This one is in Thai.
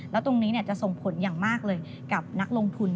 แล้วตรงนี้จะส่งผลอย่างมากเลยกับนักลงทุน